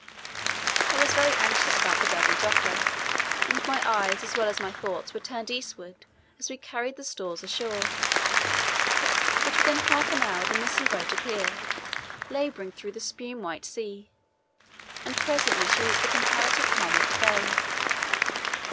I was very anxious about the Dudley Docker, and my eyes as well as my thoughts were turned eastward as we carried the stores ashore; but within half an hour the missing boat appeared, labouring through the spume white sea, and presently she reached the comparative calm of the bay.